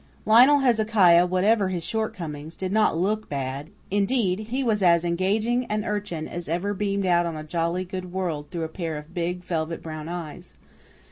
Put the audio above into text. Lionel Hezekiah, whatever his shortcomings, did not look bad. Indeed, he was as engaging an urchin as ever beamed out on a jolly good world through a pair of big, velvet brown eyes.